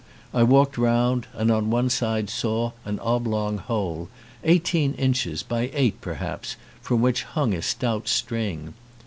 I walked round and on one side saw an oblong hole, eighteen inches by eight, perhaps, from which hung a stout string.